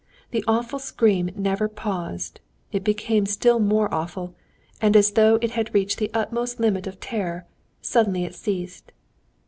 The awful scream never paused, it became still more awful, and as though it had reached the utmost limit of terror, suddenly it ceased.